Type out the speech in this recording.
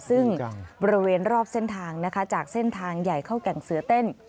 ซึ่งบริเวณรอบเส้นทางนะคะจากเส้นทางใหญ่เข้าแก่งเสือเต้น